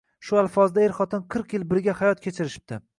Shu alfozda er-xotin qirq yil birga hayot kechirishibdi.